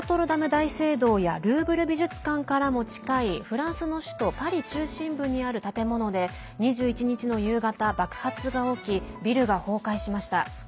大聖堂やルーブル美術館からも近いフランスの首都パリ中心部にある建物で２１日の夕方、爆発が起きビルが崩壊しました。